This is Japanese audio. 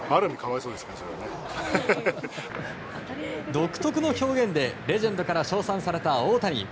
独特の表現でレジェンドから称賛された大谷。